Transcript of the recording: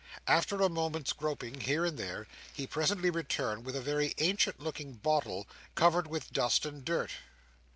After a moment's groping here and there, he presently returned with a very ancient looking bottle, covered with dust and dirt.